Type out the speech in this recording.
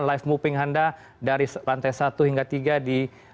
live moving anda dari lantai satu hingga tiga di